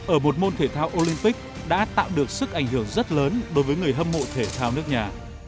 ở một môn thể thao olympic đã tạo được sức ảnh hưởng rất lớn đối với người hâm mộ thể thao nước nhà